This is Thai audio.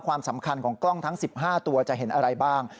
ความสำคัญของกล้องทั้ง๑๕ตัวจะเห็นอะไรบ้าง